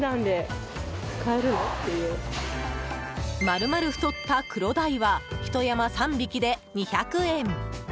丸々太ったクロダイはひと山３匹で２００円。